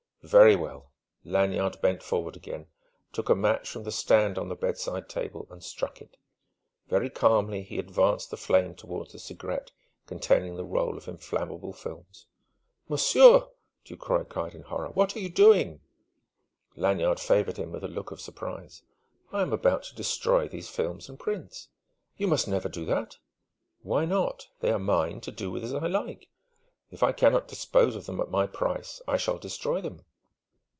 "Very well!" Lanyard bent forward again, took a match from the stand on the bedside table, and struck it. Very calmly he advanced the flame toward the cigarette containing the roll of inflammable films. "Monsieur!" Ducroy cried in horror. "What are you doing?" Lanyard favoured him with a look of surprise. "I am about to destroy these films and prints." "You must never do that!" "Why not? They are mine, to do with as I like. If I cannot dispose of them at my price, I shall destroy them!"